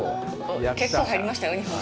結構入りましたよ、日本酒。